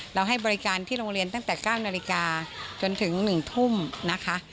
ให้บริการที่โรงเรียนตั้งแต่๙นาฬิกาจนถึง๑ทุ่มนะคะ